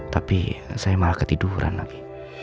tapi saya malah ketiduran lagi